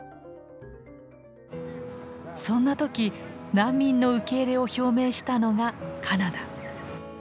そんな時難民の受け入れを表明したのがカナダ。